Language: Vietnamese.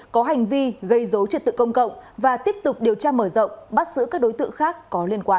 có hành vi gây dối trật tự công cộng và tiếp tục điều tra mở rộng bắt giữ các đối tượng khác có liên quan